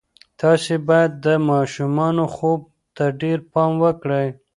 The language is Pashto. تاسې باید د ماشومانو خوب ته ډېر پام وکړئ.